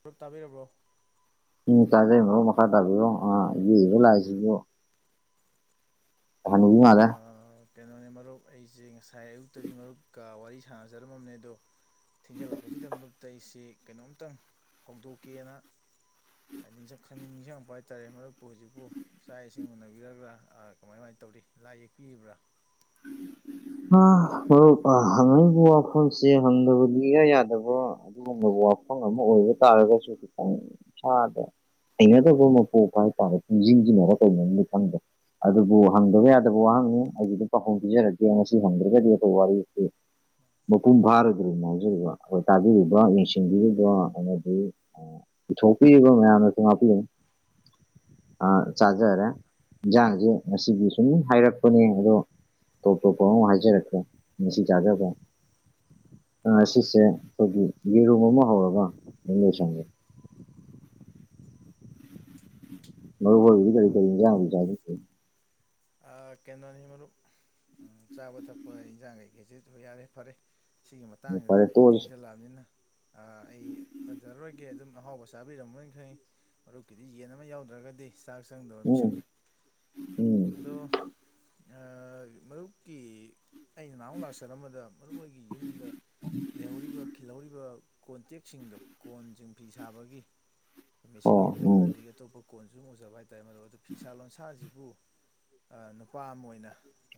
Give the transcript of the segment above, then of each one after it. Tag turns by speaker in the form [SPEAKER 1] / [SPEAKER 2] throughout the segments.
[SPEAKER 1] fruit ꯇꯥꯕꯤꯔꯕ꯭ꯔꯣ
[SPEAKER 2] ꯎꯝ ꯇꯥꯖꯩ ꯕ꯭ꯔꯣ ꯃꯈꯥ ꯇꯥꯕꯤꯌꯣ ꯑꯥ ꯃꯤꯌꯦꯡꯕ ꯂꯥꯛꯏꯁꯤꯕꯨ ꯃꯥꯜꯂꯦ
[SPEAKER 1] ꯑꯥ ꯀꯩꯅꯣꯅꯦ ꯃꯔꯨꯞ ꯑꯩꯁꯦ ꯉꯁꯥꯏ ꯑꯌꯨꯛꯇꯗꯤ ꯃꯔꯨꯞꯀ ꯋꯥꯔꯤ ꯁꯥꯟꯅꯖꯔꯝꯃꯕꯅꯦ ꯑꯗꯣ ꯊꯦꯡꯖꯤꯜꯂꯛꯄꯁꯤꯗ ꯃꯔꯨꯞꯇ ꯑꯩꯁꯤ ꯀꯩꯅꯣꯝꯇꯪ ꯍꯧꯗꯣꯛꯀꯦꯅ ꯍꯥꯏꯗꯤ ꯅꯤꯡꯁꯛ ꯈꯪꯅꯤꯡ ꯅꯤꯡꯁꯤꯡꯉꯛꯄ ꯍꯥꯏꯇꯥꯔꯦ ꯃꯔꯨꯞꯄꯨ ꯍꯧꯖꯤꯛꯄꯨ ꯆꯥꯥꯛ ꯏꯁꯤꯡ ꯎꯅꯕꯤꯔꯕ꯭ꯔꯥ ꯑꯥ ꯀꯃꯥꯏ ꯀꯃꯥꯏꯟ ꯇꯧꯔꯤ ꯂꯥꯏ ꯌꯦꯛꯄꯤꯔꯤꯕ꯭ꯔꯥ
[SPEAKER 2] ꯎꯝ ꯎꯝ ꯍ ꯑꯣ ꯑꯥ ꯍꯪꯉꯛꯏꯕ ꯋꯥꯐꯝꯁꯦ ꯍꯪꯗꯕꯗꯤ ꯏꯌꯥ ꯌꯥꯗꯕ ꯑꯗꯨꯒꯨꯝꯕ ꯋꯥꯐꯝ ꯑꯃ ꯑꯣꯏꯕ ꯇꯥꯔꯒꯁꯨ ꯈꯤꯇꯪ ꯏꯁꯥꯗ ꯍꯩꯅꯗꯕꯃ ꯄꯣꯛꯄ ꯍꯥꯏ ꯇꯥꯔꯦ ꯄꯨꯨꯡꯁꯤꯡꯁꯤꯅꯔ ꯀꯩꯅꯣꯗꯤ ꯈꯪꯗꯦ ꯑꯗꯨꯕꯨ ꯍꯪꯗꯕ ꯌꯥꯗꯕ ꯋꯥꯍꯪꯅꯤ ꯑꯩꯒꯤꯗꯤ ꯄꯈꯣꯡ ꯄꯤꯖꯔꯛꯀꯦ ꯉꯁꯤ ꯍꯪꯗ꯭ꯔꯒꯗꯤ ꯈꯣꯏ ꯋꯔꯤꯁꯤ ꯃꯄꯨꯡ ꯐꯥꯔꯣꯏꯗ꯭ꯔꯤꯝꯅꯦ ꯍꯥꯏꯖꯔꯤꯕ ꯈꯣꯏ ꯇꯥꯕꯤꯔꯤꯕ ꯚꯥꯞꯅ ꯁꯤꯡꯕꯤꯔꯤꯕ ꯑꯩꯅ ꯍꯥꯏꯗꯤ ꯄꯨꯊꯣꯛꯄꯤꯔꯤꯕ ꯃꯌꯥꯝꯅꯁꯨ ꯉꯥꯛꯄꯤꯔꯅꯤ ꯑꯥ ꯆꯥꯖꯔꯦ ꯏꯟꯖꯥꯡꯁꯦ ꯉꯁꯤꯒꯤ ꯁꯨꯝ ꯍꯥꯏꯔꯛꯄꯅꯦ ꯑꯗꯣ ꯇꯣꯞ ꯇꯣꯞꯄ ꯑꯃ ꯍꯥꯏꯖꯔꯛꯀꯦ ꯉꯁꯤ ꯆꯥꯖꯕ ꯉꯁꯤꯁꯦ ꯈꯣꯏꯒꯤ ꯌꯦꯔꯨꯝ ꯑꯃ ꯍꯧꯔꯒ ꯑꯗꯨꯝ ꯂꯣꯏꯁꯟꯒꯦ ꯃꯔꯨ ꯑꯣꯏꯕꯗꯤ ꯀꯔꯤ ꯀꯔꯤ ꯍꯤꯟꯖꯥꯡ ꯗꯤ ꯆꯥꯕꯤꯒꯦ
[SPEAKER 1] ꯑꯥ ꯀꯩꯅꯣꯅꯤ ꯃꯔꯨꯞ ꯎꯝ ꯆꯥꯕ ꯊꯛꯄ ꯏꯟꯖꯥꯡ ꯀꯩꯈꯩꯁꯤꯁꯨ ꯌꯥꯔꯦ ꯐꯔꯦ ꯁꯤꯒꯤ
[SPEAKER 2] ꯐꯔꯦ
[SPEAKER 1] ꯃꯇꯥꯡꯁꯤꯗ ꯄꯨꯡ
[SPEAKER 2] ꯇꯣꯛꯑꯁꯤ
[SPEAKER 1] ꯊꯦꯡꯖꯜꯂꯛꯑꯝꯅꯤꯅ ꯑꯩ ꯄꯟꯖꯔꯔꯣꯏꯒꯦ ꯑꯗꯨꯝ ꯑꯍꯥꯎꯕꯁ ꯆꯥꯕꯤꯔꯝꯃꯣꯏꯅ ꯈꯪꯉꯤ ꯃꯔꯨꯞꯀꯤꯗꯤ ꯌꯦꯟ ꯑꯃ ꯌꯥꯎꯗ꯭ꯔꯒꯗꯤ ꯆꯥꯛ ꯆꯪꯗꯕ
[SPEAKER 2] ꯎꯝ
[SPEAKER 1] ꯃꯤꯁꯛꯅꯤ
[SPEAKER 2] ꯎꯝ
[SPEAKER 1] ꯑꯣ ꯑꯥ ꯃꯔꯨꯞꯀꯤ ꯑꯩꯅ ꯅꯍꯥꯃꯨꯛ ꯂꯥꯛꯆꯔꯝꯕꯗ ꯃꯔꯨꯞ ꯍꯣꯏꯒꯤ ꯌꯨꯝꯗ ꯂꯩꯍꯧꯔꯤꯕ ꯈꯤꯜꯍꯧꯔꯤꯕ ꯀꯣꯟꯇꯦꯛꯁꯤꯡꯗꯣ ꯀꯣꯟꯁꯤꯡ ꯐꯤ ꯁꯥꯕꯒꯤ ꯃꯦꯁꯤꯡꯒꯤ
[SPEAKER 2] ꯑꯣ
[SPEAKER 1] ꯀꯣꯟ
[SPEAKER 2] ꯎꯝ
[SPEAKER 1] ꯑꯗꯒꯤ ꯑꯇꯣꯞꯄ ꯀꯣꯟꯁꯨ ꯁꯨꯝ ꯎꯖꯕ ꯍꯥꯏꯇꯥꯔꯦ ꯃꯔꯨꯞ ꯑꯗꯣ ꯐꯤꯁꯥ ꯂꯣꯟꯁꯥꯁꯤꯕꯨ ꯑꯥ ꯅꯨꯄꯥ ꯑꯃ ꯑꯣꯏꯅ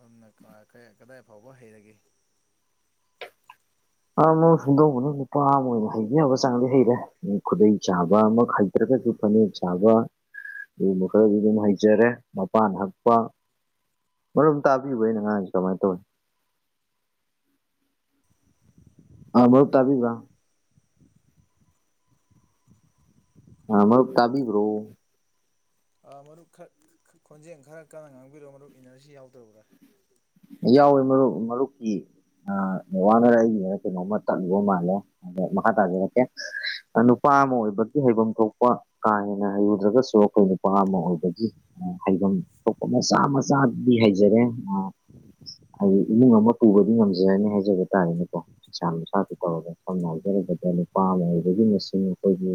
[SPEAKER 1] ꯎꯝꯅꯀꯥꯏ ꯀꯩ ꯀꯗꯥꯏ ꯐꯥꯎꯕ ꯍꯩꯔꯒꯦ
[SPEAKER 2] ꯑ ꯃꯣ ꯁꯨꯝꯗꯧꯕꯅꯤ ꯅꯨꯄꯥ ꯑꯃ ꯑꯣꯏꯅ ꯍꯩꯕ ꯌꯥꯕ ꯆꯥꯡꯗꯤ ꯍꯩꯔꯦ ꯈꯨꯗꯩ ꯆꯥꯕꯃꯛ ꯍꯩ ꯇꯔ꯭ ꯒꯁꯨ ꯐꯥꯅꯦꯛ ꯆꯕ ꯑꯗꯨꯒꯨꯝꯕ ꯈꯔꯗꯤ ꯑꯗꯨꯝ ꯍꯩꯖꯔꯦ ꯃꯄꯥꯟ ꯍꯛꯄ ꯃꯔꯝ ꯇꯥꯕꯤꯕ ꯑꯩꯅ ꯉꯥꯡꯉꯤꯁꯦ ꯀꯃꯥꯏꯟ ꯇꯧꯏ
[SPEAKER 1] [unintelligible]
[SPEAKER 2] ꯑꯥ ꯃꯔꯨꯞ ꯇꯥꯕꯤꯕ ꯑꯥ ꯃꯔꯨꯞ ꯇꯥꯕꯤꯕ꯭ꯔꯣ
[SPEAKER 1] ꯑꯥ ꯃꯔꯨꯞ ꯈꯔ ꯈꯣꯟꯖꯦꯜ ꯈꯔ ꯀꯟꯅ ꯉꯥꯡꯕꯤꯔꯣ ꯃꯔꯨꯞ ꯏꯟꯅꯔꯁꯤ ꯌꯥꯎꯗꯕ꯭ꯔꯥ
[SPEAKER 2] ꯌꯥꯎꯋꯦ ꯃꯔꯨꯞ ꯃꯔꯨꯞꯀꯤ ꯑꯥ ꯅꯦꯠꯋꯥꯛꯅꯔ ꯑꯩꯒꯤꯅꯔ ꯀꯩꯅꯣꯝꯃ ꯇꯠꯂꯨꯕ ꯃꯥꯜꯂꯦ ꯑꯥ ꯃꯈꯥ ꯇꯕꯤꯔꯛꯀꯦ ꯅꯨꯄꯥ ꯑꯃ ꯑꯣꯏꯕꯒꯤ ꯍꯩꯐꯝ ꯊꯣꯛꯄ ꯀꯥ ꯍꯦꯟꯅ ꯍꯩꯔꯨꯗ꯭ꯔꯒꯁꯨ ꯑꯩꯈꯣꯏꯅ ꯅꯨꯄꯥ ꯑꯃ ꯑꯣꯏꯕꯒꯤ ꯍꯩꯚꯝ ꯊꯣꯛꯄ ꯃꯆꯥ ꯃꯆꯥꯗꯤ ꯍꯩꯖꯔꯦ ꯍꯥꯏꯗꯤ ꯏꯃꯨꯡ ꯑꯃ ꯄꯨꯕꯗꯤ ꯉꯝꯖꯔꯅꯤ ꯍꯥꯏꯖꯕ ꯇꯥꯔꯦꯅꯦꯀꯣ ꯄꯩꯁꯥ ꯃꯁꯆꯥꯇ ꯇꯧꯔꯒ ꯁꯝꯅ ꯍꯥꯏꯖꯔꯕꯗ ꯅꯨꯄꯥ ꯑꯃ ꯑꯣꯏꯕꯒꯤ ꯃꯁꯤꯡ ꯑꯩꯈꯣꯏꯒꯤ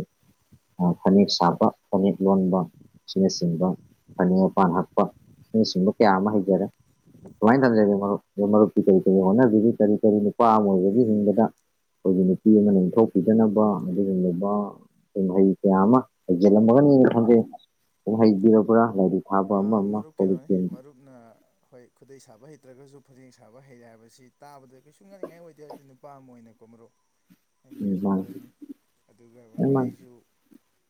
[SPEAKER 2] ꯑꯥ ꯐꯥꯅꯦꯛ ꯁꯥꯕ ꯐꯥꯅꯦꯛ ꯂꯣꯟꯕ ꯑꯁꯤꯅꯆꯤꯡꯕ ꯐꯥꯅꯦꯛ ꯃꯄꯥꯟ ꯍꯛꯄ ꯑꯁꯤꯅꯆꯤꯡꯕ ꯀꯌꯥ ꯑꯃ ꯍꯩꯖꯔꯦ ꯁꯨꯃꯥꯏꯅ ꯇꯝꯖꯒꯦ ꯃꯔꯨꯞ ꯃꯔꯨꯞꯀꯤ ꯀꯔꯤ ꯀꯔꯤ ꯍꯣꯠꯅꯕꯤꯔꯤ ꯀꯔꯤ ꯀꯔꯤ ꯅꯨꯄꯥ ꯑꯃ ꯑꯣꯏꯕꯒꯤ ꯍꯤꯡꯕꯗ ꯑꯩꯈꯣꯏꯒꯤ ꯅꯨꯄꯤ ꯑꯃꯅ ꯏꯟꯊꯣꯛꯄꯤꯗꯅꯕ ꯑꯗꯨꯒꯨꯝꯂꯕ ꯀꯨꯝꯍꯩ ꯀꯌꯥ ꯑꯃ ꯍꯩꯖꯤꯜꯂꯝꯃꯒꯅꯦꯅ ꯈꯟꯖꯩ ꯀꯨꯝꯍꯩꯕꯤꯔꯕ꯭ꯔꯥ ꯂꯥꯏꯔꯤꯛ ꯊꯥꯕ ꯑꯃ
[SPEAKER 1] ꯑꯥ
[SPEAKER 2] ꯑꯃ
[SPEAKER 1] ꯃꯔꯨꯞ ꯀꯩꯅꯣꯅꯤ
[SPEAKER 2] ꯄꯣꯂꯤꯇꯤꯟ
[SPEAKER 1] ꯃꯔꯨꯞꯅ ꯍꯣꯏ ꯈꯨꯗꯩ ꯁꯥꯕ ꯍꯩꯇ꯭ꯔꯒꯁꯨ ꯐꯥꯅꯦꯛ ꯁꯥꯕ ꯍꯩꯔꯦ ꯍꯥꯏꯕꯁꯤ ꯇꯥꯕꯗ ꯀꯩꯁꯨꯨꯡ ꯉꯛꯅꯤꯡꯉꯥꯏ ꯑꯣꯏꯗꯦ ꯑꯗꯨ ꯅꯨꯄꯥ ꯑꯃ ꯑꯣꯏꯅꯀꯣ ꯃꯔꯨꯞ
[SPEAKER 2] [inaudible]
[SPEAKER 1] ꯑꯩꯗꯤ
[SPEAKER 2] ꯃꯥꯅꯤ
[SPEAKER 1] ꯍꯥꯏꯖꯤꯟꯒꯗꯝꯅꯤ ꯑꯗꯨꯒ
[SPEAKER 2] ꯂꯣꯏ
[SPEAKER 1] ꯑꯃꯨꯛ
[SPEAKER 2] ꯃꯥꯅꯤ
[SPEAKER 1] ꯑꯩꯁꯨ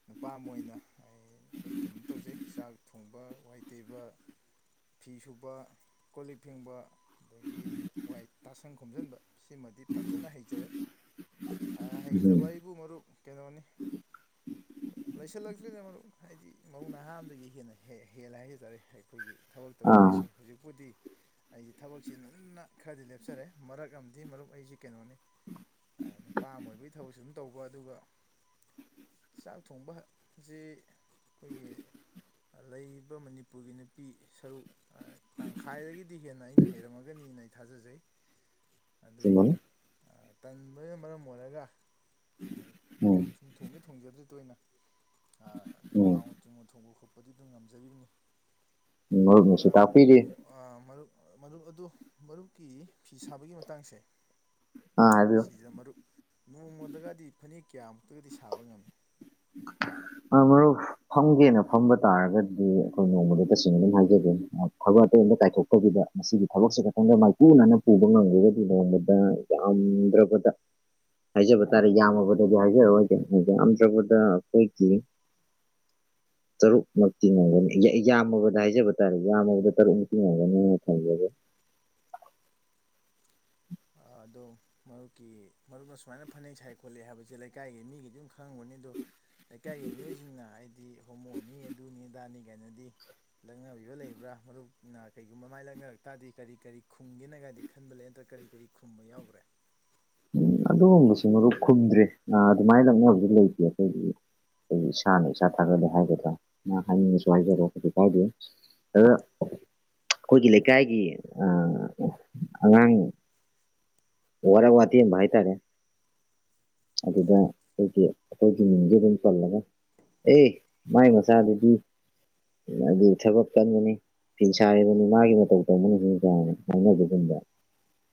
[SPEAKER 1] ꯅꯨꯄꯥ ꯑꯃ ꯑꯣꯏꯅ ꯑꯩ ꯑꯈꯣꯏ ꯀꯩꯅꯣ ꯇꯧꯖꯩ ꯆꯥꯛ ꯊꯣꯡꯕ ꯋꯥꯏ ꯇꯩꯕ ꯐꯤ ꯁꯨꯕ ꯀꯣꯜ ꯂꯤꯛ ꯐꯦꯡꯕ ꯑꯗꯒꯤ ꯋꯥꯏ ꯇꯥꯁꯟ ꯈꯣꯝꯖꯟꯕ ꯁꯤꯃꯗꯤ ꯐꯖꯅ ꯍꯩꯖꯔꯦ ꯑꯥ
[SPEAKER 2] ꯎꯝ
[SPEAKER 1] ꯍꯩꯇꯕ ꯍꯥꯏꯕꯨ ꯃꯔꯨꯞ ꯀꯩꯅꯣꯅꯤ ꯂꯩꯁꯜꯂꯁꯤꯗ ꯃꯔꯨꯞ ꯍꯥꯏꯗꯤ ꯃꯧ ꯅꯍꯥ ꯑꯃꯗꯒꯤ ꯍꯦꯟꯅ ꯍꯩ ꯍꯦꯜ ꯍꯦꯜꯂꯦ ꯍꯥꯏꯖ ꯇꯥꯔꯦ ꯑꯩꯈꯣꯏꯒꯤ ꯊꯕꯛ
[SPEAKER 2] ꯑꯥ
[SPEAKER 1] ꯇꯧꯖꯔꯤꯁꯦ ꯍꯧꯖꯤꯛꯄꯨꯗꯤ ꯑꯩꯒꯤ ꯊꯕꯛ ꯆꯤꯟꯃꯟꯗꯅ ꯈꯔꯗꯤ ꯂꯦꯞꯆꯔꯦ ꯃꯔꯛ ꯑꯃꯗꯤ ꯃꯔꯨꯞ ꯑꯩꯁꯤ ꯀꯩꯅꯣꯅꯤ ꯑꯥ ꯅꯨꯄꯥ ꯑꯃ ꯑꯣꯏꯕꯒꯤ ꯊꯕꯛꯁꯨ ꯑꯗꯨꯝ ꯇꯧꯕ ꯑꯗꯨꯒ ꯆꯥꯛ ꯊꯣꯡꯕ ꯑꯁꯤ ꯑꯩꯈꯣꯏꯒꯤ ꯂꯩꯔꯤꯕ ꯃꯅꯤꯄꯨꯔꯒꯤ ꯅꯨꯄꯤ ꯁꯔꯨꯛ ꯑꯥ ꯇꯪꯈꯥꯏꯗꯒꯤꯗꯤ ꯍꯦꯟꯅ ꯑꯩꯅ ꯍꯩꯔꯝꯃꯒꯅꯤꯅ ꯑꯩ ꯊꯥꯖꯖꯩ ꯑꯗꯨꯕꯨ
[SPEAKER 2] ꯆꯨꯝꯕꯅꯤ
[SPEAKER 1] ꯑꯥ ꯇꯟꯕꯅ ꯃꯔꯝ ꯑꯣꯏꯔꯒ ꯑꯥ
[SPEAKER 2] ꯎꯝ
[SPEAKER 1] ꯊꯣꯡꯗꯤ ꯊꯣꯡꯖꯗ꯭꯭ꯔꯤ ꯇꯣꯏꯅ ꯑꯥ ꯑꯗꯨꯝ ꯍꯥꯎꯅ ꯊꯨꯝꯅ ꯊꯣꯡꯕ ꯈꯣꯠꯄ ꯄꯗꯤ ꯑꯗꯨꯝ ꯉꯝꯖꯔꯤꯕꯅꯤ
[SPEAKER 2] ꯎꯝ ꯃꯔꯨꯞꯅꯁꯨ
[SPEAKER 1] ꯑꯥ
[SPEAKER 2] ꯇꯥꯛꯄꯤꯔꯤ
[SPEAKER 1] ꯑꯥ ꯃꯔꯨꯞ ꯃꯔꯨꯞ ꯑꯗꯨ ꯃꯔꯨꯞꯀꯤ ꯐꯤ ꯁꯥꯕꯒꯤ ꯃꯇꯥꯡꯁꯦ
[SPEAKER 2] ꯑꯥ ꯍꯥꯏꯕꯤꯌꯨ
[SPEAKER 1] ꯁꯤꯗ ꯃꯔꯨꯞ ꯅꯣꯡꯃꯗꯒꯗꯤ ꯐꯥꯅꯦꯛ ꯀꯌꯥꯃꯨꯛꯇꯗꯤ ꯁꯥꯕ ꯉꯝꯃꯤ
[SPEAKER 2] ꯑꯥ ꯃꯔꯨꯞ ꯐꯝꯒꯦꯅ ꯐꯝꯕ ꯇꯥꯔꯒꯗꯤ ꯑꯩꯈꯣꯏ ꯅꯣꯡꯃꯗ ꯇꯁꯦꯡꯅ ꯑꯗꯨꯝ ꯍꯥꯏꯖꯒꯦ ꯊꯕꯛ ꯑꯇꯩ ꯑꯝꯇ ꯀꯥꯏꯊꯣꯛꯇꯕꯤꯗ ꯃꯁꯤꯒꯤ ꯊꯕꯛꯁꯦ ꯈꯛꯇꯪꯗ ꯃꯥꯏꯄꯨꯅꯅ ꯄꯨꯕ ꯉꯝꯒꯔꯒꯗꯤ ꯅꯣꯡꯃꯗ ꯌꯥꯝꯗ꯭ꯔꯕꯗ ꯍꯥꯏꯖꯦꯕ ꯇꯥꯔꯦ ꯌꯥꯝꯃꯕꯗꯗꯤ ꯍꯥꯏꯖꯔꯔꯣꯏꯒꯦ ꯌꯥꯝꯗ꯭ꯔꯕꯗ ꯑꯩꯈꯣꯏꯒꯤ [inaudible] ꯇꯔꯨꯛꯃꯛꯇꯤ ꯉꯝꯒꯅꯤ ꯌꯥ-ꯌꯥꯝꯃꯕꯗ ꯍꯥꯏꯖꯕ ꯇꯥꯔꯦ ꯌꯥꯝꯃꯕꯗ ꯇꯔꯨꯛꯃꯛꯇꯤ ꯉꯝꯒꯅꯤꯅ ꯈꯜꯂꯦ
[SPEAKER 1] ꯑꯥ ꯑꯗꯣ ꯃꯔꯨꯞꯀꯤ ꯃꯔꯨꯞꯅ ꯁꯨꯃꯥꯏꯅ ꯐꯅꯦꯛ ꯁꯥꯏ ꯈꯣꯠꯂꯦ ꯍꯥꯏꯕꯁꯦ ꯂꯩꯀꯥꯏꯒꯤ ꯃꯤꯒꯤꯗꯤ ꯑꯗꯨꯝ ꯈꯪꯉꯝꯒꯅꯤ ꯑꯗꯨ ꯂꯩꯀꯥꯏꯒꯤ ꯃꯤꯑꯣꯏꯁꯤꯡꯅ ꯍꯥꯏꯗꯤ ꯍꯣꯃꯣꯅꯤ ꯑꯗꯨꯅꯤ ꯑꯗꯥꯅꯤ ꯒꯥꯏꯅꯗꯤ ꯂꯛꯅꯕꯤꯕ ꯂꯩꯕ꯭ꯔꯥ ꯃꯔꯨꯞꯅ ꯀꯩꯒꯨꯝꯕ ꯃꯥꯏ ꯂꯪꯅꯔꯛ ꯇꯥꯔꯗꯤ ꯀꯔꯤ ꯀꯔꯤ ꯈꯨꯝꯒꯦꯅꯒꯗꯤ ꯈꯟꯕ ꯂꯩ ꯅꯠꯇ꯭ꯔ ꯀꯔꯤ ꯀꯔꯤ ꯈꯨꯝꯕ ꯌꯥꯎꯒꯔ꯭ꯦ
[SPEAKER 2] ꯎꯝ ꯑꯗꯨ ꯕꯨꯁꯤ ꯃꯔꯨꯞ ꯈꯨꯝꯗ꯭ꯔꯤ ꯑ ꯑꯗꯨꯃꯥꯏ ꯂꯛꯅꯕꯗꯤ ꯂꯩꯇꯦ ꯑꯩꯈꯣꯏꯒꯤꯗꯤ ꯑꯩ ꯏꯁꯥꯅ ꯏꯁꯥ ꯊꯥꯒꯠꯂꯦ ꯍꯥꯏꯒꯗ꯭ꯔꯥ ꯅ ꯍꯥꯏꯅꯤꯡꯉꯁꯨ ꯍꯥꯏꯖꯔꯣ ꯀꯩꯁꯨ ꯀꯥꯏꯗꯦ [unintelligible] ꯑꯩꯈꯣꯏꯒꯤ ꯂꯩꯀꯥꯏꯒꯤ ꯑ ꯑꯉꯥꯡ ꯋꯥꯔꯛ ꯋꯥꯇꯦꯝꯕ ꯍꯥꯏ ꯇꯥꯔꯦ ꯑꯗꯨꯗ ꯑꯩꯒꯤ ꯑꯩꯒꯤ ꯃꯤꯡꯗꯤ ꯑꯗꯨꯝ ꯄꯜꯂꯅꯤ ꯑꯦ ꯃꯥꯏ ꯃꯆꯥꯗꯨꯗꯤ [unintelligible] ꯊꯕꯛ ꯀꯟꯕꯅꯤ ꯐꯤ ꯁꯥꯔꯤꯕꯅꯤ ꯃꯥꯒꯤ ꯃꯇꯧ ꯇꯝꯃꯨ [unintelligible] ꯍꯥꯏꯅꯕꯒꯨꯝꯕ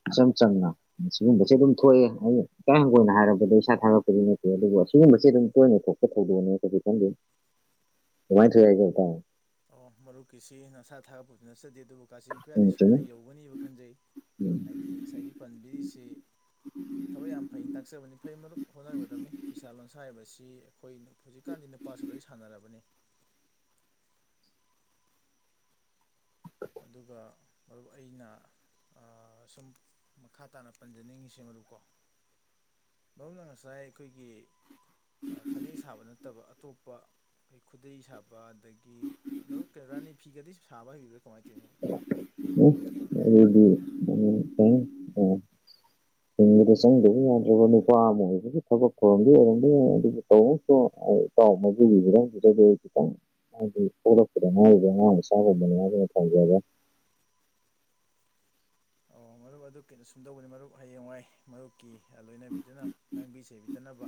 [SPEAKER 2] ꯏꯆꯝ ꯆꯝꯅ ꯁꯤꯒꯨꯝꯕꯁꯤ ꯑꯗꯨꯝ ꯊꯣꯛꯑꯦ ꯑꯩꯅ ꯏꯀꯥꯏ ꯍꯪꯒꯣꯏꯅ ꯍꯥꯏꯔꯕꯗ ꯏꯁꯥ ꯊꯣꯛꯑꯦ ꯏꯀꯥꯏ ꯍꯪꯒꯣꯏꯅ ꯍꯥꯏꯔꯕꯗ ꯏꯁꯥ ꯊꯥꯒꯠꯄꯗꯤ ꯅꯠꯇꯦ ꯑꯗꯨꯒ ꯁꯤꯒꯨꯝꯕꯁꯦ ꯑꯗꯨꯝ ꯇꯣꯏꯅ ꯊꯣꯛꯄ ꯊꯧꯗꯣꯛꯅꯦ ꯀꯩꯁꯨ ꯈꯟꯗꯦ ꯁꯨꯃꯥꯢ ꯊꯣꯛꯑꯦ ꯍꯥꯏꯖꯕ ꯇꯥꯔꯦ
[SPEAKER 1] ꯑꯣ ꯃꯔꯨꯞꯀꯤꯁꯤ ꯅꯁꯥ ꯊꯥꯒꯠꯄ ꯕꯨꯗꯤ ꯅꯠꯆꯗꯦ ꯑꯗꯨꯕꯨ ꯀꯥꯆꯤꯟ ꯀꯣꯏꯌꯥꯗꯤ
[SPEAKER 2] ꯎꯝ ꯆꯨꯝꯃꯤ
[SPEAKER 1] ꯁꯣꯏꯗꯅ ꯌꯧꯒꯅꯤꯕ ꯈꯟꯖꯩ
[SPEAKER 2] ꯎꯝ
[SPEAKER 1] ꯍꯥꯏꯗꯤ ꯉꯁꯥꯏꯒꯤ ꯄꯟꯕꯤꯔꯤꯁꯤ ꯊꯕꯛ ꯌꯥꯝ ꯐꯩ ꯇꯥꯛꯆꯕꯅꯤ ꯐꯩ ꯃꯔꯨꯞ ꯍꯣꯠꯅꯒꯗꯕꯅꯤ ꯐꯤꯁꯥ ꯂꯣꯟꯁꯥ ꯍꯥꯏꯕꯁꯤ ꯍꯣꯏ ꯅꯨꯐꯨ ꯍꯧꯖꯤꯛꯀꯥꯟꯗꯤ ꯅꯨꯄꯥꯁꯨ ꯂꯣꯏ ꯁꯥꯟꯅꯔꯕꯅꯤ ꯑꯗꯨꯒ ꯃꯔꯨꯞ ꯑꯩꯅ ꯑ ꯁꯨꯝ ꯃꯈꯥ ꯇꯥꯅ ꯄꯟꯖꯅꯤꯡꯉꯤꯁꯦ ꯃꯔꯨꯞ ꯀꯣ ꯃꯔꯨꯞꯅ ꯉꯁꯥꯏ ꯑꯩꯈꯣꯏꯒꯤ ꯑ ꯐꯅꯦꯛ ꯁꯥꯕ ꯅꯠꯇꯕ ꯑꯇꯣꯞꯄ ꯑꯩ ꯈꯨꯗꯩ ꯁꯥꯕ ꯑꯗꯒꯤ ꯃꯔꯨꯞ ꯀꯩꯔ ꯔꯥꯅꯤ ꯐꯤꯒꯗꯤ ꯁꯥꯕ ꯍꯩꯕ꯭ꯔꯥ ꯀꯃꯥꯏ ꯇꯧꯋꯤ ꯃꯔꯨꯞ
[SPEAKER 2] [unintelligible] ꯍꯤꯡꯕꯗ ꯆꯪꯗꯕ ꯌꯥꯗ꯭ꯔꯕ ꯅꯨꯄꯥ ꯑꯃ ꯑꯣꯏꯕꯒꯤ ꯊꯕꯛ ꯊꯧꯔꯝꯗꯤ [unintelligible] ꯇꯧꯏꯒꯨꯝꯕꯁꯨꯡ ꯑꯩ ꯏꯇꯥꯎ ꯃꯗꯨ ꯈꯤꯇꯪ ꯐꯖꯗꯦ ꯈꯤꯇꯪ ꯍꯥꯏꯗꯤ ꯄꯣꯛꯂꯛꯄꯗ ꯉꯥꯏꯔꯤꯕ ꯑꯉꯥꯥꯡ ꯃꯆꯥꯥꯒꯨꯝꯕꯅꯤ ꯍꯥꯏꯒꯅꯤ ꯐꯪꯖꯔꯦ
[SPEAKER 1] ꯑꯣ ꯃꯔꯨꯞ ꯑꯗꯨ ꯀꯩꯅꯣ ꯁꯨꯝꯗꯧꯕꯅꯤ ꯃꯔꯨꯞ ꯍꯌꯦꯡꯋꯥꯏ ꯃꯔꯨꯞꯀꯤ ꯍꯦ ꯂꯣꯏꯅꯕꯤꯗꯨꯅ ꯉꯥꯡꯕꯤ ꯆꯩꯕꯤꯗꯅꯕ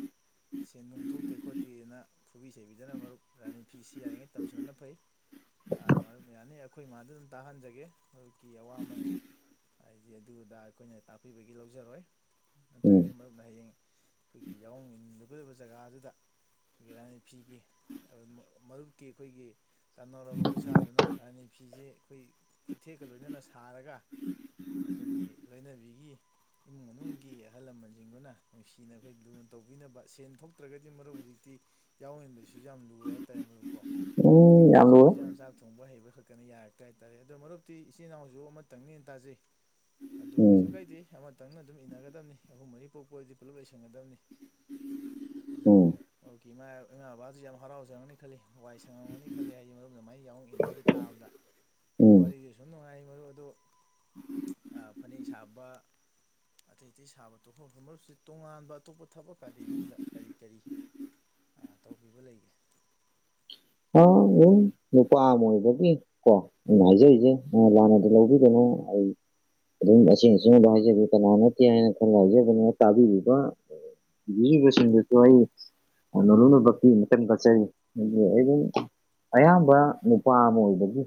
[SPEAKER 1] ꯁꯦꯟ ꯅꯨꯡ ꯊꯣꯛꯇꯦ ꯈꯣꯠꯇꯦꯅ ꯐꯨꯕꯤ ꯆꯩꯕꯤꯗꯅ ꯃꯔꯨꯞ ꯔꯥꯅꯤ ꯐꯤꯁꯤ ꯌꯥꯔꯤꯉꯩ ꯇꯝꯁꯟ ꯅ ꯐꯩ ꯑꯥ ꯃꯔꯨꯞ ꯌꯥꯅꯤ ꯑꯩꯈꯣꯏ ꯃꯥꯗ ꯑꯗꯨꯝ ꯇꯥꯍꯟꯖꯒꯦ ꯃꯔꯨꯞꯀꯤ ꯑꯋꯥꯃꯟ ꯍꯥꯏꯗꯤ ꯑꯗꯨ ꯑꯗꯥ ꯑꯩꯈꯣꯏꯅ ꯇꯥꯛꯄꯤꯕꯒꯤ ꯂꯧꯖꯔꯣꯏ
[SPEAKER 2] ꯎꯝ
[SPEAKER 1] ꯅꯠꯇ꯭ꯔꯒꯗꯤ ꯃꯔꯨꯞ ꯍꯌꯦꯡ ꯑꯩꯈꯣꯏꯒꯤ ꯌꯥꯎꯑꯣꯡ ꯏꯂꯨꯒꯗꯕ ꯖꯒꯥ ꯑꯗꯨꯗ ꯒꯤꯔꯥꯅꯤ ꯐꯤꯒꯤ ꯑ ꯃ ꯃꯔꯨꯞꯀꯤ ꯑꯩꯈꯣꯏꯒꯤ ꯇꯅꯧꯔꯕ ꯈꯨꯠꯁꯥ ꯑꯗꯨꯅ ꯔꯥꯅꯤ ꯐꯤꯖꯤ ꯑꯩꯈꯣꯏ ꯈꯨꯠꯊꯦꯛꯀ ꯂꯣꯏꯅꯅ ꯁꯥꯔꯒ ꯑꯩꯈꯣꯏꯒꯤ ꯂꯣꯏꯅꯕꯤꯒꯤ ꯏꯃꯨꯡ ꯃꯅꯨꯡꯒꯤ ꯑꯍꯜ ꯂꯃꯟꯁꯤꯡꯗꯨꯅ ꯅꯨꯡꯁꯤꯅ ꯑꯩꯈꯣꯏ ꯂꯨꯅ ꯇꯧꯕꯤꯅꯕ ꯁꯦꯟ ꯊꯣꯛꯇ꯭ꯔꯒꯗꯤ ꯃꯔꯨꯞ ꯍꯨꯖꯤꯛꯇꯤ ꯌꯥꯎꯑꯣꯡ ꯏꯟꯕꯁꯤꯁꯨ ꯌꯥꯝ ꯂꯨꯔꯦ ꯍꯥꯏꯇꯥꯔꯦ ꯃꯔꯨꯞ ꯀꯣ
[SPEAKER 2] ꯎꯝ
[SPEAKER 1] ꯍꯥꯏ
[SPEAKER 2] ꯌꯥꯝ
[SPEAKER 1] ꯐꯤꯁꯨ
[SPEAKER 2] ꯂꯣꯏꯔꯦ
[SPEAKER 1] ꯐꯤꯖꯥꯝ ꯆꯥꯛ ꯊ [unintelligible] ꯑꯗꯣ ꯃꯔꯨꯞꯇꯤ ꯏꯆꯤꯜ ꯏꯅꯥꯎꯖꯨ ꯑꯃꯇꯪꯅꯦꯅ ꯇꯥꯖꯩ ꯑꯗꯨ
[SPEAKER 2] ꯎꯝ
[SPEAKER 1] ꯀꯩꯁꯨ ꯀꯥꯏꯗꯦ ꯑꯃꯇꯪꯅ ꯑꯗꯨꯝ ꯏꯟꯅꯒꯗꯕꯅꯤ ꯑꯍꯨꯝ ꯃꯔꯤ ꯄꯣꯛꯄ ꯑꯖꯤ ꯄꯨꯂꯞ ꯂꯩꯁꯟꯒꯗꯕꯅꯤ ꯑꯗꯣ
[SPEAKER 2] ꯎꯝ
[SPEAKER 1] ꯍꯧꯀꯤ ꯏꯃꯥ ꯏꯃꯥ ꯕꯥꯖꯤ ꯌꯥꯝ ꯍꯔꯥꯎꯖꯔꯝꯅꯤ ꯈꯜꯂꯤ ꯋꯥꯏ ꯁꯪꯉꯝꯒꯅꯤ ꯈꯜꯂꯤ ꯍꯥꯏꯗꯤ ꯃꯔꯨꯞꯅ ꯑꯃꯥꯏ ꯌꯥꯎꯑꯣꯡ ꯏꯟꯗꯣꯔꯤ ꯇꯥꯕꯗ
[SPEAKER 2] ꯎꯝ
[SPEAKER 1] ꯋꯥꯔꯤꯖꯨ ꯁꯨꯝ ꯅꯨꯡꯉꯥꯏ ꯃꯔꯨ ꯑꯗꯨ ꯑ ꯐꯅꯦꯛ ꯁꯥꯕ ꯑꯇꯩ ꯑꯇꯩ ꯁꯥꯕ ꯇꯣꯛꯊꯣꯛꯒ ꯃꯔꯨꯞꯁꯤ ꯇꯣꯉꯥꯟꯕ ꯑꯇꯣꯞꯄ ꯊꯕꯛꯀꯗꯤ ꯌꯨꯝꯗ ꯀꯔꯤ ꯀꯔꯤ ꯑ ꯇꯧꯕꯤꯕ ꯂꯩꯒꯦ
[SPEAKER 2] ꯑꫭ [unintelligible] ꯅꯨꯄꯥ ꯑꯝ ꯑꫭꯏꯕꯒꯤ ꯀꯣ ꯑꯩꯅ ꯍꯥꯏꯖꯔꯤꯖꯦ ꯂꯥꯟꯅꯗꯤ ꯂꯧꯕꯤꯒꯅꯨ ꯑꯩ ꯑꯗꯨꯝ ꯑꯁꯦꯡ ꯑꯁꯦꯡꯕ ꯍꯥꯏꯖꯒꯦ ꯀꯅꯥ ꯅꯠꯇꯦ ꯍꯥꯏꯅ ꯈꯟꯅ ꯍꯥꯏꯖꯕꯅꯤ ꯇꯥꯕꯤꯔꯤꯕ [unintelligible] ꯕꯁꯤꯡꯗꯨꯁꯨ ꯑꯩ ꯅꫭꯜꯂꯨꯛꯅ ꯕꯛꯇꯤ ꯑꯝꯇꯪ ꯀꯠꯆꯔꯤ [unintelligible] ꯑꯌꯥꯝꯕ ꯅꯨꯄꯥ ꯑꯃ ꯑꯣꯏꯕꯒꯤ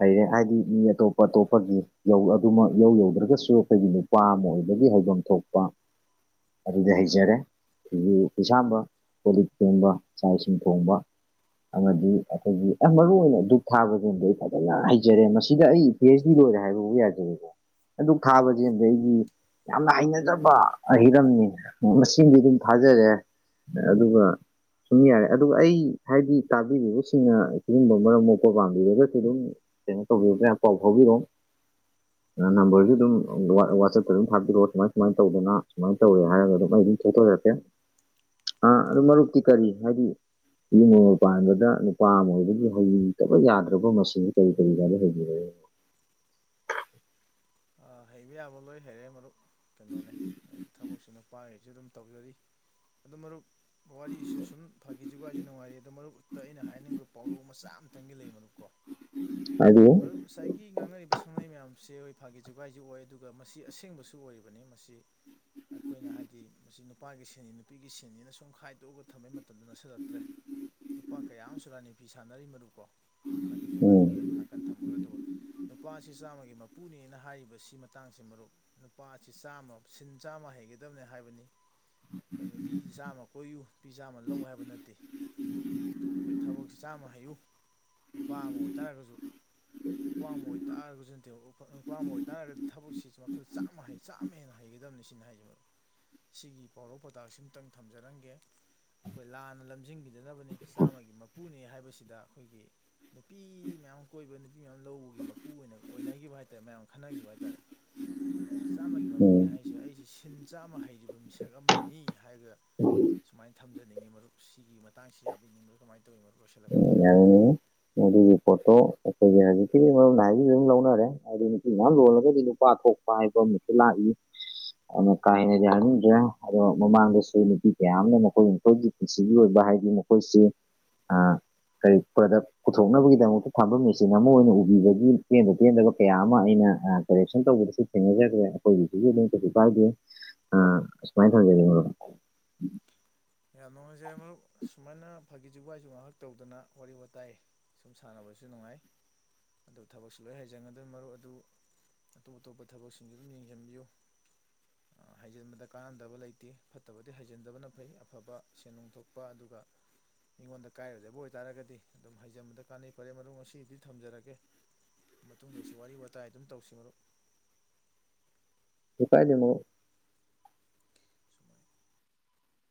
[SPEAKER 2] ꯍꯩꯔꯦ ꯍꯥꯏꯗꯤ ꯃꯤ ꯑꯇꯣꯞ ꯑꯇꯣꯞꯄꯒꯤ ꯌꯧ ꯑꯗꯨꯃꯛ ꯌꯧ ꯌꯧꯗ꯭ꯔꯒꯁꯨ ꯑꯈꯣꯏꯒꯤ ꯅꯨꯄꯥ ꯑꯃ ꯑꯣꯏꯕꯒꯤ ꯍꯧꯕꯝ ꯊꯣꯛꯄ ꯑꯗꯨꯗꯤ ꯍꯩꯖꯔꯦ ꯐꯤꯖꯨ ꯐꯤꯖꯥꯝꯕ ꯀꯣꯂꯤꯛ ꯐꯦꯡꯕ ꯆꯥꯛ ꯏꯁꯤꯡ ꯊꯣꯡꯕ ꯑꯃꯗꯤ ꯑꯈꯣꯏꯒꯤ ꯃꯔꯨ ꯑꯣꯏꯅ ꯗꯨꯛ ꯊꯥꯕꯖꯤꯝꯗꯤ ꯑꯩ ꯐꯖꯅ ꯍꯩꯖꯔꯦ ꯃꯁꯤꯗ ꯑꯩ ꯄꯤ ꯑꯩꯆ ꯗꯤ ꯂꯣꯏꯔꯦ ꯍꯥꯏꯕꯕꯨ ꯌꯥꯖꯔꯦꯀꯣ ꯙꯨꯛ ꯊꯥꯕꯖꯤꯝꯗꯤ ꯑꯩꯗꯤ ꯌꯥꯝꯅ ꯍꯩꯅꯗꯕ ꯍꯤꯔꯝꯅꯤ ꯃꯁꯤꯝꯗꯤ ꯗꯨꯝ ꯊꯥꯖꯔꯦ ꯑꯗꯨꯒ ꯁꯨꯝ ꯌꯥꯔꯦ ꯑꯗꯨꯒ ꯑꯩ ꯍꯥꯏꯗꯤ ꯇꯥꯕꯤꯔꯤꯕꯁꯤꯡꯅ ꯁꯤꯒꯨꯝꯕ ꯃꯔꯝ ꯃꯣꯛꯄ ꯄꯥꯝꯕꯤꯔꯒꯁꯨ ꯑꯗꯨꯝ ꯀꯩꯅꫭ [unintelligible] ꯄꯥꯎ‌ ꯐꯥꯎꯕꯤꯔꯧ [unintelligible] ꯅꯝꯕꯔꯖꯩ ꯗꯨꯝ ꯋꯥꯆꯞꯇ ꯑꯗꯨꯝ ꯊꯥꯕꯤꯔꯛꯑꯣ ꯁꯨꯃꯥꯏ ꯁꯨꯃꯥꯏꯅ ꯇꯧꯗꯅ ꯁꯨꯃꯥꯏꯅ ꯇꯧꯔꯦ ꯍꯥꯏꯔꯒ ꯑꯗꯨꯝ ꯑꯩ ꯑꯗꯨꯝ [unintelligible] [unintelligible] ꯑꯥ ꯑꯗꯨ ꯃꯔꯨꯞꯇꯤ ꯀꯔꯤ ꯍꯥꯏꯗꯤ [unintelligible] ꯄꯥꯟꯒꯗ꯭ꯔ ꯅꯨꯄꯥ ꯑꯃ ꯑꯣꯏꯕꯒꯤ ꯍꯩꯇ꯭ꯔꯕ ꯌꯥꯗ꯭ꯔꯕ [unintelligible] ꯀꯔꯤ ꯀꯔꯤ [unintelligible]
[SPEAKER 1] ꯑ ꯍꯩꯕ ꯌꯥꯕ ꯂꯣꯏ ꯍꯩꯔꯦ ꯃꯔꯨꯞ ꯀꯩꯅꯣꯅꯦ ꯊꯕꯛꯁꯤ ꯅꯨꯄꯥꯏꯖꯨꯗꯨꯝ ꯇꯧꯖꯔꯤ ꯑꯗꯨ ꯃꯔꯨꯞ ꯋꯥꯔꯤꯁꯨ ꯁꯨꯝ ꯐꯥꯒꯤ ꯖꫭꯒꯥꯏꯁꯨ ꯅꯨꯡꯉꯥꯏꯔꯤ ꯑꯗꯨ ꯃꯔꯨꯞꯇ ꯑꯩꯅ ꯍꯥꯏꯅꯤꯡꯕ ꯄꯥꯎꯔꯧ ꯃꯆꯥ ꯑꯝ ꯇꯪꯗꯤ ꯂꯩ ꯃꯔꯨꯞꯀꫭ
[SPEAKER 2] ꯍꯥꯏꯕꯤꯌꯨ
[SPEAKER 1] ꯉꯁꯥꯏꯒꯤ ꯉꯥꯡꯅꯔꯤꯕ ꯁꯛꯅꯩ ꯃꯌꯥꯝꯁꯦ [unintelligible] ꯐꯥꯒꯤ ꯖꯨꯒꯥꯏꯖꯨ ꯑꯣꯏ ꯑꯗꯨꯒ ꯃꯁꯤ ꯑꯁꯦꯡꯕꯁꯨ ꯑꯣꯏꯔꯤꯕꯅꯤ ꯃꯁꯤ ꯑꯩꯈꯣꯏꯅ ꯍꯥꯏꯗꯤ ꯃꯁꯤ ꯅꯨꯄꯥꯒꯤ ꯁꯤꯟꯅꯤ ꯅꯨꯄꯤꯒꯤ ꯁꯤꯟꯅꯤꯅ ꯁꯨꯝ ꯈꯥꯏꯗꯣꯛꯑꯒ ꯊꯝꯕꯩ ꯃꯇꯝꯗꫭ ꯅꯛꯁꯜꯂꯛꯇ꯭ꯔꯦ ꯅꯨꯄꯥ ꯀꯌꯥ ꯑꯃꯁꯨ ꯔꯥꯅꯤ ꯐꯤ ꯁꯥꯟꯅꯔꯤ ꯃꯔꯨꯄ ꯀꯣ ꯐꯥꯒꯤ ꯖꯨꯒꯥꯏꯒꯤ
[SPEAKER 2] ꯎꯝ
[SPEAKER 1] ꯅꯥꯀꯟ ꯊꯝꯈ꯭ꯔꯒ ꯑꯗꫭ ꯅꯨꯄꯥ ꯑꯁꯤ ꯆꯥꯝꯃꯒꯤ ꯃ ꯄꯨꯅꯦꯅ ꯍꯥꯏꯔꯤꯕ ꯁꯤ ꯃꯇꯥꯡꯁꯦ ꯃꯔꯨꯞ ꯅꯨꯄꯥꯁꯤ ꯆꯥꯝꯃ ꯁꯤꯟ ꯆꯥꯝꯃ ꯍꯩꯒꯗꯕꯅꯤ ꯍꯥꯏꯕꯅꯤ ꯈꯣꯏ ꯅꯨꯄꯤ ꯆꯥꯝꯃ ꯀꯣꯏꯌꯨ ꯅꯨꯄꯤ ꯆꯥꯝꯃ ꯂꯧ ꯍꯥꯏꯕ ꯅꯠꯇꯦ ꯑꯈꯣꯏ ꯊꯕꯛ ꯆꯥꯝꯃ ꯍꯩꯌꯨ ꯅꯨꯄꯥ ꯑꯃ ꯑꯣꯏꯇꯥꯔꯒꯁꯨ ꯅꯨꯄꯥ ꯑꯃ ꯑꯣꯏꯇꯥꯔꯒꯁꯨ ꯅꯠꯇꯦ ꯅꯨꯄꯥ ꯑꯃ ꯑꯣꯏꯇꯥꯥꯔꯒꯗꯤ ꯊꯕꯛꯁꯤ ꯃꯈꯜ ꯆꯥꯝꯃ ꯆꯥꯝꯃ ꯍꯦꯟꯅ ꯍꯩꯒꯗꯕꯅꯤ ꯁꯤꯅꯤ ꯍꯥꯏꯖꯦ ꯃꯔꯨꯞ ꯁꯤꯒꯤ ꯄꯥꯎꯔꯧ ꯄꯧꯇꯥꯛ ꯁꯤꯝꯇꯪ ꯊꯝꯖꯔꯝꯒꯦ ꯑꯈꯣꯏ ꯂꯥꯟꯅ ꯂꯝꯖꯤꯡꯒꯤꯗꯅꯕꯅꯤ ꯆꯥꯝꯃꯒꯤ ꯃꯄꯨꯅꯦ ꯍꯥꯏꯕꯁꯤꯗ ꯑꯈꯣꯏꯒꯤ ꯅꯨꯄꯤ ꯃꯌꯥꯝ ꯀꯣꯏꯕ ꯅꯨꯄꯤ ꯃꯌꯥꯝ ꯂꯧꯕꯒꯤ ꯃꯄꯨ ꯑꯣꯏꯅ ꯑꯣꯏꯅꯒꯤꯕ ꯍꯥꯏꯇꯥꯔꯦ ꯃꯌꯥꯝ ꯈꯟꯅꯒꯤꯕ ꯍꯥꯏꯇꯥꯔꯦ ꯆꯥꯝꯃꯒꯤ ꯃꯄꯨꯅ
[SPEAKER 2] ꯎꯝ
[SPEAKER 1] ꯍꯥꯏꯁꯦ ꯑꯩꯁꯤ ꯁꯤꯟ ꯆꯥꯝꯃ ꯍꯩꯔꯤꯕ ꯃꯤꯁꯛ ꯑꯃꯅꯤ ꯍꯥꯏ [unintelligible]
[SPEAKER 2] [inaudible]
[SPEAKER 1] ꯁꯨꯝꯃꯥꯏ ꯊꯝꯖꯅꯤꯡꯉꯤ ꯃꯔꯨꯞ ꯁꯤꯒꯤ ꯃꯇꯥꯡꯁꯤ ꯌꯥꯕꯤꯅꯤꯡꯕ꯭ꯔ ꯀꯃꯥꯏ ꯇꯧꯋꯤ ꯃꯔꯨꯞ ꯂꯣꯏꯁꯜꯂꯛ
[SPEAKER 2] ꯌꯥꯏ ꯃꯗꯨꯒꯤ ꯄꯣꯠꯇꯣ ꯑꯩꯈꯣꯏꯒꯤ ꯍꯧꯖꯤꯛꯀꯤ ꯃꯔꯨꯞꯅ [unintelligible] ꯂꯧꯅꯔꯦ ꯍꯥꯏꯗꯤ ꯅꯨꯄꯤ ꯃꯌꯥꯝ ꯂꯣꯜꯂꯒꯗꯤ ꯅꯨꯄꯥ [unintelligible] ꯄꯥꯏꯕ ꯑꯃꯁꯨ ꯂꯥꯛꯏ ꯑꯗꯨ ꯀꯥ‌ ꯍꯦꯟꯅ ꯌꯥꯅꯤꯡꯗ꯭ꯔꯦ ꯑꯗꯣ ꯃꯃꯥꯡꯗꯁꯨ ꯅꯨꯄꯤ ꯀꯌꯥ ꯑꯃꯅ ꯃꯈꯣꯏ ꯃꯈꯣꯏꯒꯤ ꯄꯨꯟꯁꯤꯒꯤ ꯑꯣꯏꯕ ꯍꯥꯏꯗꯤ ꯃꯈꯣꯏꯁꯤ ꯑꯥ ꯀꯔꯤ ꯄ꯭ꯔꯗꯛ ꯄꯨꯊꯣꯛꯅꯕꯒꯤꯗꯃꯛꯇ ꯊꯝꯕ ꯃꯦꯆꯤꯟ ꯑꯃ ꯑꯣꯏꯅ ꯎꯕꯤꯕꯒꯤ ꯄꯦꯟꯗ ꯄꯦꯟꯗꯕ ꯀꯌꯥ ꯑꯃ ꯑꯩꯅ ꯀꯔꯦꯛꯁꯟ ꯇꯧꯕꯗ ꯊꯦꯡꯅꯖꯈ꯭ꯔꯦ ꯑꯩꯈꯣꯏꯒꯤꯁꯤꯁꯨ ꯑꯗꯨꯝ ꯀꯩꯁꯨ ꯀꯥꯏꯗꯦ ꯑꯁꯨꯃꯥꯏꯅ ꯊꯧꯖꯒꯦ ꯃꯔꯨꯞ
[SPEAKER 1] ꯌꯥꯝ ꯅꯨꯡꯉꯥꯏꯖꯩ ꯃꯔꯨꯞ ꯁꯨꯃꯥꯏꯅ ꯐꯥꯒꯤ ꯖꯨꯒꯥꯢ ꯉꯥꯏꯍꯥꯛ ꯇꯧꯗꯅ ꯋꯥꯔꯤ ꯋꯥꯇꯥꯏ ꯁꯨꯝ ꯁꯥꯟꯅꯕꯁꯨ ꯅꯨꯡꯉꯥꯏ ꯑꯗꯨ ꯊꯕꯛꯁꯨ ꯂꯣꯏ ꯍꯩꯖꯤꯟꯒꯗꯧꯅꯤ ꯃꯔꯨꯞ ꯑꯗꯨ ꯑꯇꯣꯞ ꯑꯇꯣꯞꯄ ꯊꯕꯛꯁꯤꯡꯁꯨ ꯑꯗꯨꯝ ꯌꯦꯡꯁꯤꯟꯕꯤꯌꯨ ꯍꯩꯖꯤꯟꯕꯗ ꯀꯥꯟꯅꯗꯕ ꯂꯩꯇꯦ ꯐꯠꯇꯕꯗꯤ ꯍꯩꯖꯤꯟꯗꯕꯅ ꯐꯩ ꯑꯐꯕ ꯁꯦꯟꯅꯣꯡ ꯊꯣꯛꯄ ꯑꯗꯨꯒ ꯃꯤꯉꯣꯟꯗ ꯀꯥꯏꯔꯣꯏꯗꯕ ꯑꯣꯏꯇꯥꯔꯒꯗꯤ ꯑꯗꯨꯝ ꯍꯩꯖꯟꯕꯗ ꯀꯥꯟꯅꯩ ꯐꯔꯦ ꯃꯔꯨꯞ ꯉꯁꯤꯒꯤꯗꯤ ꯊꯝꯖꯔꯒꯦ ꯃꯇꯨꯡꯗꯁꯨ ꯋꯥꯔꯤ ꯋꯥꯇꯥꯏ ꯑꯗꯨꯝ ꯇꯧꯁꯤ ꯃꯔꯨꯞ
[SPEAKER 2] ꯀꯩꯁꯨ ꯀꯥꯢꯗꯦ ꯃꯔꯨꯞ
[SPEAKER 1] ꯁꯨꯃꯥꯏ